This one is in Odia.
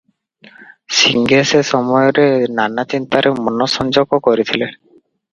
ସିଂହେ ସେ ସମୟରେ ନାନା ଚିନ୍ତାରେ ମନ ସଂଯୋଗ କରିଥିଲେ ।